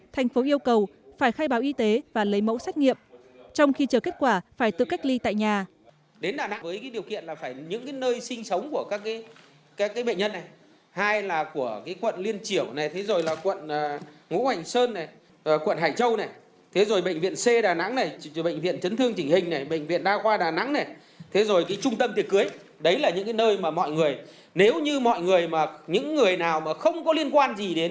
thành phố yêu cầu phải khai báo y tế và lấy mẫu xét nghiệm trong khi chờ kết quả phải tự cách ly tại nhà